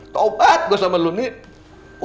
topat gua sama lu nih